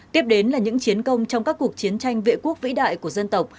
tiếp đến là những chiến công trong các cuộc chiến tranh vệ quốc vĩ đại của dân tộc